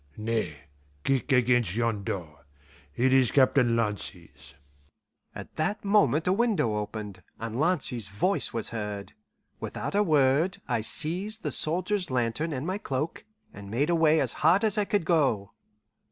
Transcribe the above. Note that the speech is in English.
"Nay, kick against yon door. It is Captain Lancy's." At that moment a window opened, and Lancy's voice was heard. Without a word I seized the soldier's lantern and my cloak, and made away as hard as I could go.